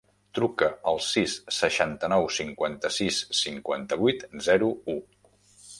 Truca al sis, seixanta-nou, cinquanta-sis, cinquanta-vuit, zero, u.